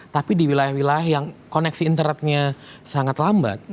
tapi di wilayah wilayah yang koneksi internetnya sangat lambat